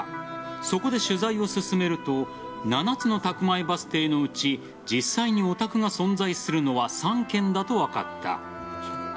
そこで取材を進めると７つの宅前バス停のうち実際にお宅が存在するのは３軒だと分かった。